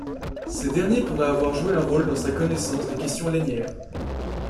Ces derniers pourraient avoir joué un rôle dans sa connaissance des questions lainières.